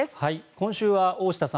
今週は大下さん